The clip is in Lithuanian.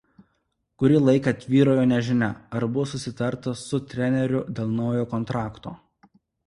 Kurį laiką tvyrojo nežinia ar bus susitarta su treneriu dėl naujo kontrakto.